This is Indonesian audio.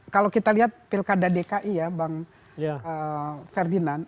kalau kita lihat pilkada dki ya bang ferdinand